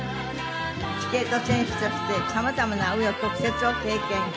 スケート選手として様々な紆余曲折を経験。